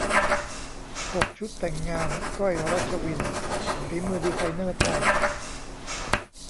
หก ชุดแต่งงาน ก้อย รัชวิน ฝีมือดีไซเนอร์ไทย